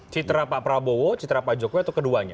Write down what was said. citra pak prabowo citra pak jokowi atau keduanya